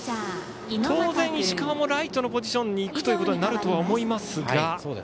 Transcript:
当然、石川もライトのポジションにいくことになると思いますが。